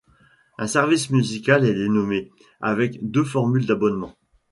Un service musical est dénommé ', avec deux formules d'abonnement.